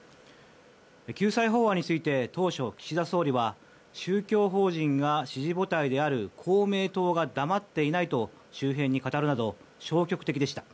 救済法案について当初、岸田総理は宗教法人が支持母体である公明党が黙っていないと周辺に語るなど消極的でした。